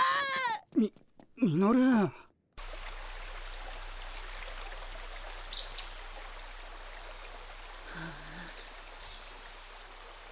ミミノル？はああ。